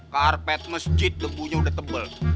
karpet masjid lebunya udah tebel